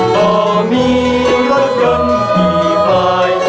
ต่อมีรถยนต์กี่ฝ่าย